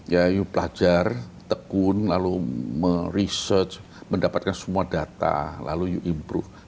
ya you belajar tekun lalu meresearch mendapatkan semua data lalu you improve